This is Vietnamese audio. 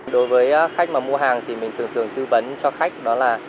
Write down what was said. đối với khách mà mua hàng thì mình thường thường tư vấn cho khách đó là